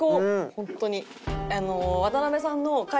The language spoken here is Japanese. ホントに。